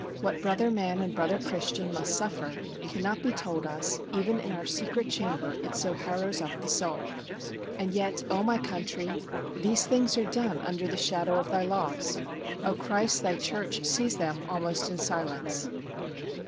What brother man and brother Christian must suffer, cannot be told us, even in our secret chamber, it so harrows up the soul. And yet, O my country, these things are done under the shadow of thy laws! O Christ, thy church sees them almost in silence!